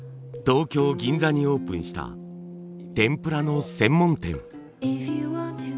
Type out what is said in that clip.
東京銀座にオープンした天ぷらの専門店。